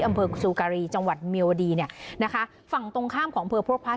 อำเผิกสูการีจำวัดเมียวดีเนี่ยนะคะฝั่งตรงข้ามของอำเผอพวกพลาด